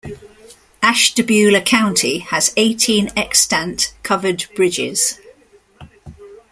Ashtabula County has eighteen extant covered bridges.